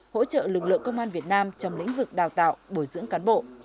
hỗ trợ lực lượng công an việt nam trong lĩnh vực đào tạo bồi dưỡng cán bộ